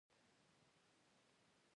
عبدالله به تر سړکه راسره ځي.